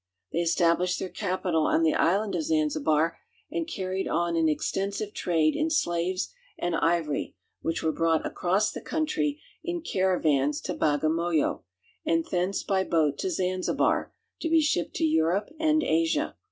They established their capital on the island of Zanzibar, and carried on an extensive trade in Ivory from Easl Africa. slaves and ivory, which were brought across the country in caravans to Bagamoyo and thence by boat to Zanzibar, to , be shipped to Europe and Asia.